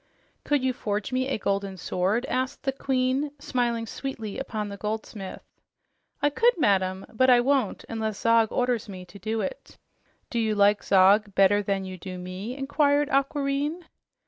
"Could you forge me a golden sword?" asked the Queen, smiling sweetly upon the goldsmith. "I could, madam, but I won't unless Zog orders me to do it." "Do you like Zog better than you do me?" inquired Aquareine.